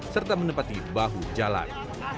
serta menempati bahu jalan